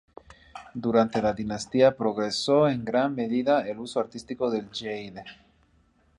Durante la dinastía progresó en gran medida el uso artístico del jade.